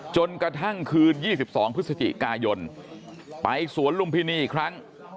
จนกระทั่งคืน๒๒พฤศจิกายนไปสวนลุมพินีอีกครั้ง